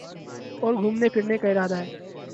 اور گھومنے پھرنے کا ارادہ ہے